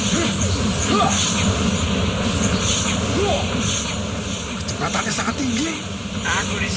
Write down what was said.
bagaimana dengan kemampuanmu sekarang